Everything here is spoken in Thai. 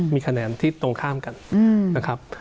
มีคะแนนที่ตรงข้ามกันนะครับ